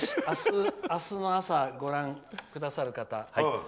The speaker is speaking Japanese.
あすの朝ご覧くださる方